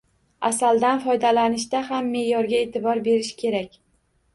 Asaldan foydalanishda ham me’yorga e’tibor berish kerak.